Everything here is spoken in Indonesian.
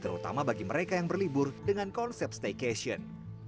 terutama bagi mereka yang berlibur dengan konsep staycation